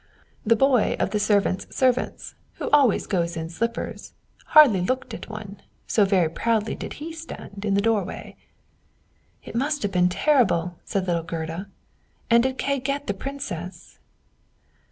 The boy of the servants' servants, who always goes in slippers, hardly looked at one, so very proudly did he stand in the doorway." "It must have been terrible," said little Gerda. "And did Kay get the Princess?"